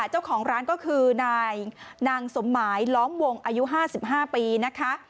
เจ้าของร้านก็คือนายนางสมหมายล้อมวงอายุ๕๕ปีนะคะ